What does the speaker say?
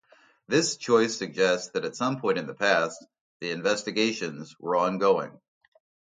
This choice suggests that at some point in the past, the investigations were ongoing.